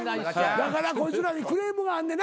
だからこいつらにクレームがあんねんな。